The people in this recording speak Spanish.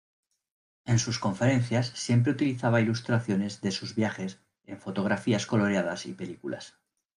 En sus conferencias siempre utilizaba ilustraciones de sus viajes en fotografías coloreadas y películas.